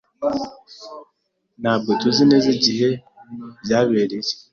Ntabwo tuzi neza igihe byabereye.